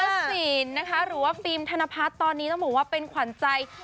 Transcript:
เออทรวศีลนะคะหรือว่าฟิล์มธนภาษณ์ตอนนี้ต้องบอกว่าเป็นขวัญใจ